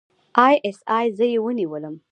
اى ايس اى زه ونیولم.